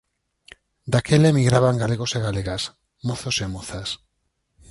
Daquela emigraban galegos e galegas, mozos e mozas.